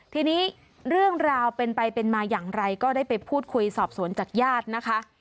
ทีนี้เรื่องราวเป็นไปเป็นมาอย่างไรก็ได้ไปพูดคุยสอบสวนจากญาตินะคะ